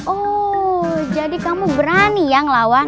oh jadi kamu berani ya ngelawan